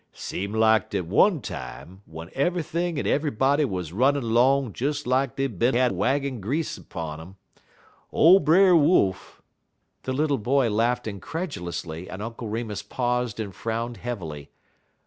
"Seem lak dat one time w'en eve'ything en eve'ybody was runnin' 'long des lak dey bin had waggin grease 'pun um, ole Brer Wolf" The little boy laughed incredulously and Uncle Remus paused and frowned heavily.